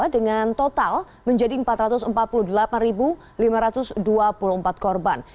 dengan total menjadi empat ratus empat puluh delapan lima ratus dua puluh empat korban